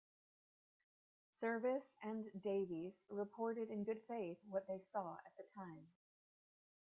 Service and Davies reported in good faith what they saw at the time.